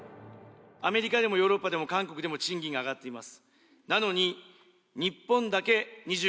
アメリカでもヨーロッパでも、韓国でも賃金が上がっています。